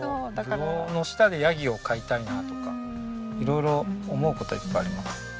ぶどうの下でヤギを飼いたいなとか色々思う事はいっぱいあります。